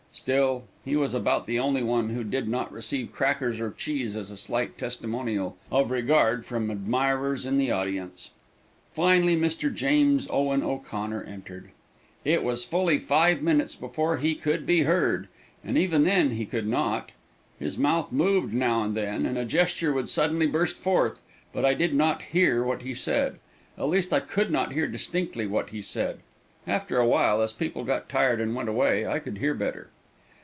Still, he was about the only one who did not receive crackers or cheese as a slight testimonial of regard from admirers in the audience. Finally, Mr. James Owen O'Connor entered. It was fully five minutes before he could be heard, and even then he could not. His mouth moved now and then, and a gesture would suddenly burst forth, but I did not hear what he said. At least I could not hear distinctly what he said. After awhile, as people got tired and went away, I could hear better.